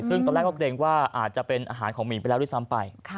ซึ่งตอนแรกก็เกรงว่าอาจจะเป็นอาหารของหมีไปแล้วด้วยซ้ำไป